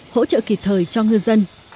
hỗ trợ kịp thời cho ngư dân